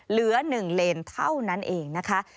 เหลือ๑เลนเท่านั้นเองนะคะ